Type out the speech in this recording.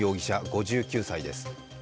５９歳です。